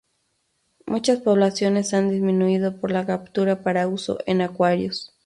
Muchas poblaciones han disminuido por la captura para uso en acuarios.